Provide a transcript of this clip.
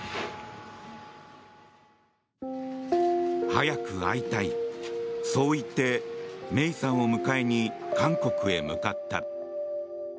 早く会いたいそう言って芽生さんを迎えに韓国へ向かった。